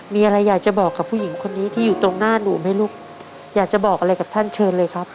มีอะไรอยากจะบอกกับผู้หญิงคนนี้ที่อยู่ตรงหน้าหนูไหมลูกอยากจะบอกอะไรกับท่านเชิญเลยครับ